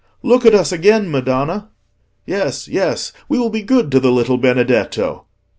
"Look at us again, Madonna!" "Yes, yes, we will be good to the little Benedetto!"